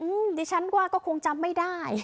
ดิฉันว่าก็คงจำไม่ได้